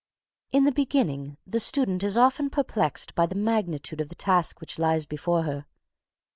In the beginning, the student is often perplexed by the magnitude of the task which lies before her.